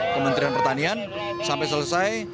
kementerian pertanian sampai selesai